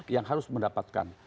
yang harus mendapatkan